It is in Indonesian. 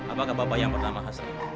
apakah bapak yang pertama hasrat